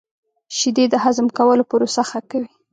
• شیدې د هضم کولو پروسه ښه کوي.